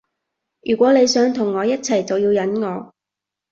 如果你想同我一齊就要忍我